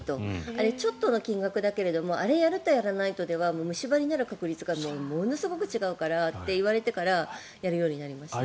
あれはちょっとの金額だけどあれをやるとやらないとでは虫歯になる確率がものすごく違うからって言われてからやるようになりました。